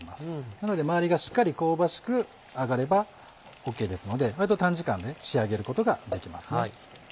なので周りがしっかり香ばしく揚がればＯＫですので割と短時間で仕上げることができますね。